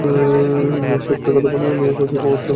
সে উক্ত খাদ্য-পানীয় নিয়ে সেই কুয়ার কাছে গেল।